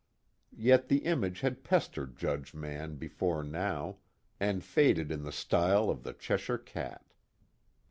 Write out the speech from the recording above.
Yet the image had pestered Judge Mann before now, and faded in the style of the Cheshire Cat.